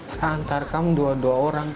antar kamu dua dua orang